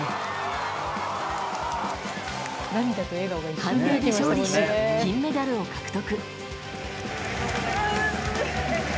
判定で勝利し、金メダルを獲得。